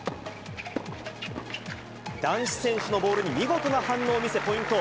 男子選手のボールに見事な反応を見せポイント。